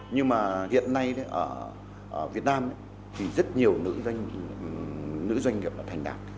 nhưng hiện nay ở việt nam rất nhiều nữ doanh nghiệp thành đạt